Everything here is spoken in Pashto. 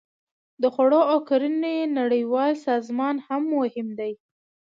د خوړو او کرنې نړیوال سازمان هم مهم دی